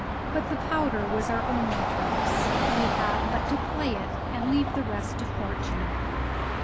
But the powder was our only trumps; we had but to play it and leave the rest to fortune.